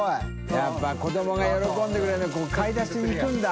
笋辰子どもが喜んでくれると買い出しに行くんだ。